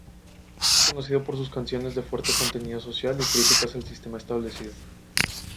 Es conocido por sus canciones de fuerte contenido social y críticas al sistema establecido.